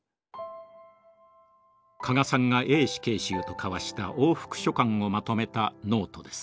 加賀さんがＡ死刑囚と交わした往復書簡をまとめたノートです。